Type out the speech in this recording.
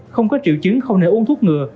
không có triệu chứng không nên uống thuốc ngừa